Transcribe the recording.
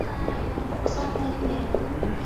Оксам мый пуэм.